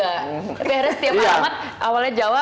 tapi harus setiap alamat awalnya jawa